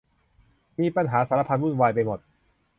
มีปัญหาสารพันวุ่นวายไปหมด